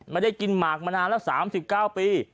ไม่ได้กินหมากมานานแล้ว๓๙ปี